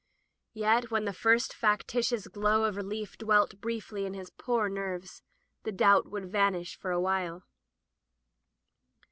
Yet when the first factitious glow of relief dwelt briefly in his poor nerves, the doubts would vanish for awhile.